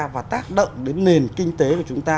và tác động đến nền kinh tế của chúng ta